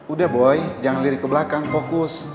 udah boy jangan lirik ke belakang fokus